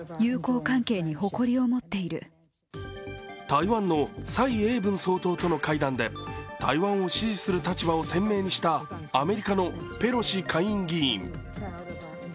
台湾の蔡英文総統との会談で台湾を支持する立場を鮮明にしたアメリカのペロシ下院議員。